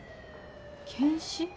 検視？